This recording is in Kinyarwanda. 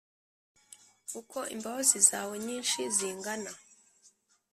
uko imbabazi zawe nyinshi zingana